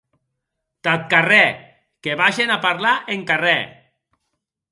Tath carrèr, que vagen a parlar en carrèr!